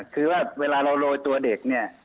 คือว่าเวลาเราโรยตัวเด็กเนี่ย